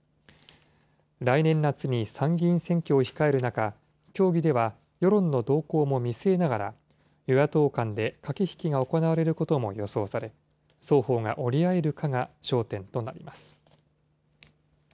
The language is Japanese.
来年夏に参議院選挙を控える中、協議では世論の動向も見据えながら、与野党間で駆け引きが行われることも予想され、双方が折り合えるかが焦点となります。